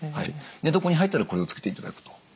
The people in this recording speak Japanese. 寝床に入ったらこれを付けていただくと。